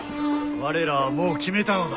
我らはもう決めたのだ。